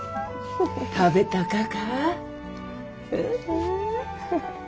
食べたかか？